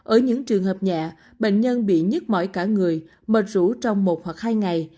ở những trường hợp nhẹ bệnh nhân bị nhức mỏi cả người mệt rủ trong một hoặc hai ngày